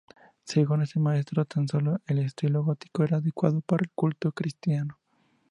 Según este maestro, tan solo el estilo gótico era adecuado para el culto cristiano.